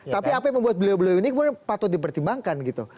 tapi apa yang membuat beliau beliau ini kemudian patut dipertimbangkan gitu